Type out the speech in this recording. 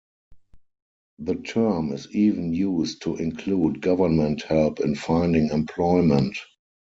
The term is even used to include government help in finding employment.